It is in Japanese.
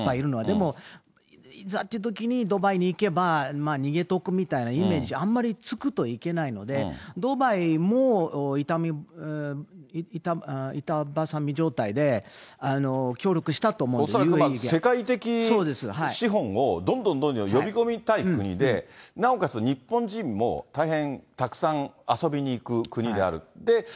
でも、いざっていうときにドバイに行けば、まあ逃げ得みたいなイメージあんまりつくといけないので、ドバイも板挟み状態で、恐らく世界的資本をどんどんどんどん呼び込みたい国で、なおかつ日本人も大変たくさん遊びに行く国である。